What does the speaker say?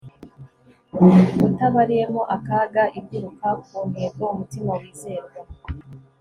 utabariyemo akaga, iguruka ku ntego, umutima wizerwa